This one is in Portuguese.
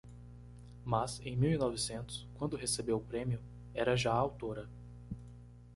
mas, em mil e novecentos, quando recebeu o prémio, era já autora.